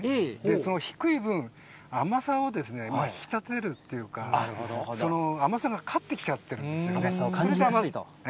その低い分、甘さをですね、引き立てるというか、甘さが勝ってきちゃってるんですよね。